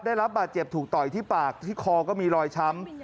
ได้รับบาดเจ็บถูกต่อยที่ปากที่คอก็มีรอยช้ำ